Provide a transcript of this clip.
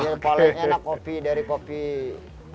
ini yang paling enak kopi dari kopi butai cappuccino